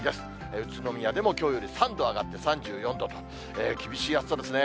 宇都宮でもきょうより３度上がって３４度と、厳しい暑さですね。